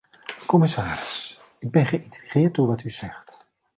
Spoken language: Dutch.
Commissaris, ik ben geïntrigeerd door wat u zegt.